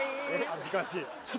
恥ずかしいえっ？